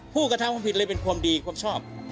ผู้กระทำความผิดเลยเป็นความดีความชอบ